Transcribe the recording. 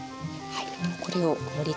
はい。